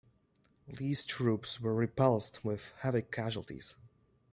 Lee's troops were repulsed with heavy casualties.